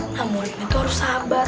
nah muridnya tuh harus sabar